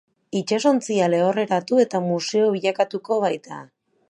Itsasontzia lehorreratu eta museo bilakatuko baita.